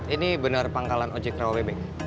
ini bener pangkalan ojek rawabebek